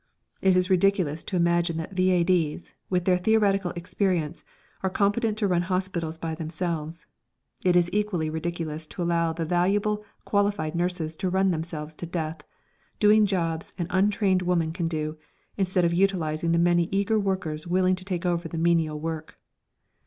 It is ridiculous to imagine that V.A.D.'s, with their theoretical experience, are competent to run hospitals by themselves; it is equally ridiculous to allow the valuable qualified nurses to run themselves to death, doing jobs an untrained woman can do, instead of utilising the many eager workers willing to take over the menial work.